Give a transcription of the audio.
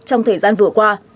trong thời gian vừa qua